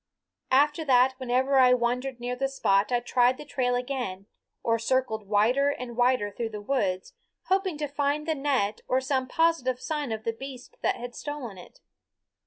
After that whenever I wandered near the spot I tried the trail again, or circled wider and wider through the woods, hoping to find the net or some positive sign of the beast that had stolen it.